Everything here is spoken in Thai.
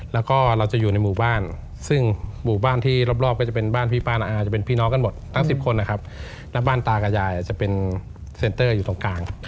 แล้วก็เราจะอยู่ในหมู่บ้านซึ่งหมู่บ้านที่รอบก็จะเป็นบ้านพี่ป้าน้าอาจะเป็นพี่น้องกันหมดทั้ง๑๐คนนะครับแล้วบ้านตากับยายจะเป็นเซ็นเตอร์อยู่ตรงกลาง